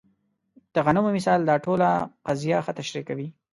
د غنمو مثال دا ټوله قضیه ښه تشریح کوي.